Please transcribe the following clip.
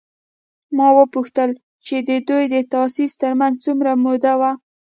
ما وپوښتل چې د دوی د تاسیس تر منځ څومره موده وه؟